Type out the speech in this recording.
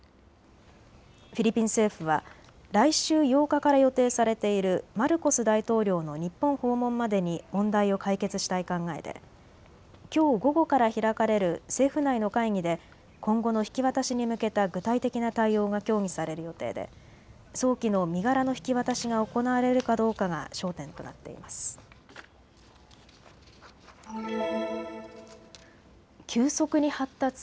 フィリピン政府は来週８日から予定されているマルコス大統領の日本訪問までに問題を解決したい考えできょう午後から開かれる政府内の会議で今後の引き渡しに向けた具体的な対応が協議される予定で早期の身柄の引き渡しが行われるかどうかが焦点となっています。